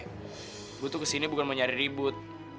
aku tuh kesini bukan mau nyari ribut